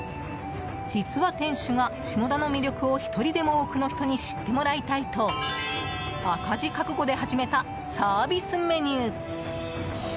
実は店主が、下田の魅力を１人でも多くの人に知ってもらいたいと赤字覚悟で始めたサービスメニュー。